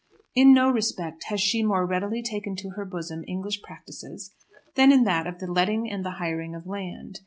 In no respect has she more readily taken to her bosom English practices than in that of the letting and the hiring of land.